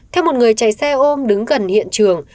theo một người chạy xe ôm đứng gần hiện trường